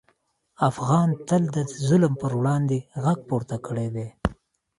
افغان تل د ظلم پر وړاندې غږ پورته کړی دی.